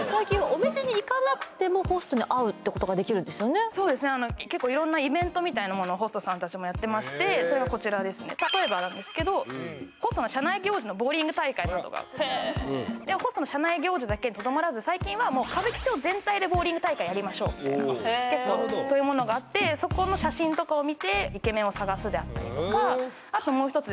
最近そうですね結構いろんなイベントみたいなものをホストさんたちもやってましてそれがこちらですね例えばなんですけどホストの社内行事のボウリング大会などがホストの社内行事だけにとどまらず最近はもう歌舞伎町全体でボウリング大会やりましょうみたいな結構そういうものがあってそこの写真とかを見てイケメンを探すであったりとかあともう一つ